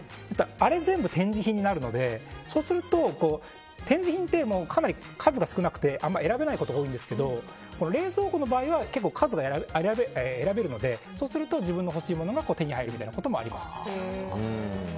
あれ、全部展示品になるので展示品ってかなり数が少なくてあまり選べないことが多いんですけど冷蔵庫の場合は結構数が選べるので自分の欲しいものが手に入るみたいなこともあります。